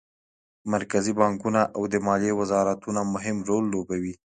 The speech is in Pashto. مرکزي بانکونه او د مالیې وزارتونه مهم رول لوبوي